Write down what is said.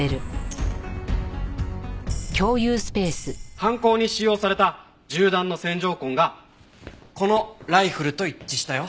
犯行に使用された銃弾の線条痕がこのライフルと一致したよ。